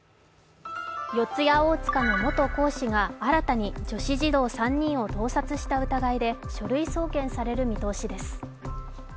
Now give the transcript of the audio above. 四谷大塚の元講師が新たに女子児童３人を盗撮した疑いで書類送検される見通しです。